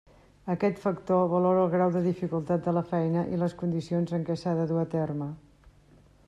Aquest factor valora el grau de dificultat de la feina i les condicions en què s'ha de dur a terme.